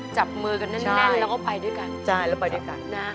จับมือกันแน่นแล้วก็ไปด้วยกัน